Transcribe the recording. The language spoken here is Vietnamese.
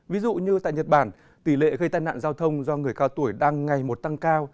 ví dụ như tại nhật bản tỷ lệ gây tai nạn giao thông do người cao tuổi đang ngày một tăng cao